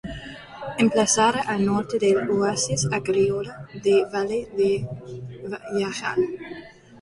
Emplazada al norte del oasis agrícola del valle de Jáchal.